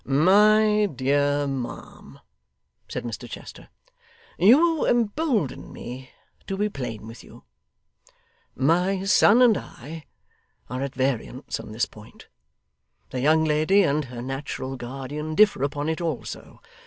'My dear ma'am,' said Mr Chester, 'you embolden me to be plain with you. My son and I are at variance on this point. The young lady and her natural guardian differ upon it, also.